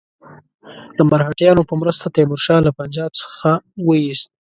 مرهټیانو په مرسته تیمور شاه له پنجاب څخه وایست.